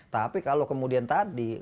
tapi kalau kemudian tadi